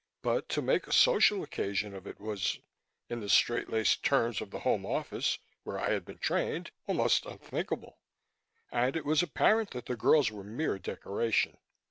But to make a social occasion of it was in the straitlaced terms of the Home Office where I had been trained almost unthinkable. And it was apparent that the girls were mere decoration.